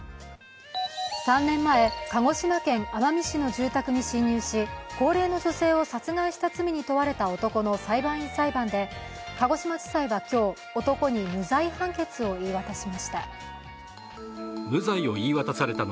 ３年前、鹿児島県奄美市の住宅に侵入し高齢の女性を殺害した罪に問われた男の裁判員裁判で鹿児島地裁は今日、男に無罪判決を言い渡しました。